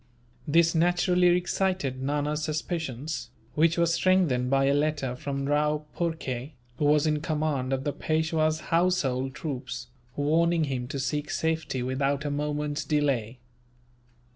This naturally excited Nana's suspicions, which were strengthened by a letter from Rao Phurkay, who was in command of the Peishwa's household troops, warning him to seek safety without a moment's delay.